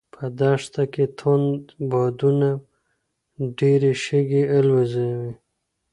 په دښته کې توند بادونه ډېرې شګې الوځوي.